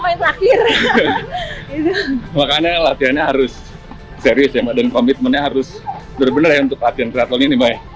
makanya latihannya harus serius ya mbak dan komitmennya harus benar benar ya untuk latihan keraton ini mbak ya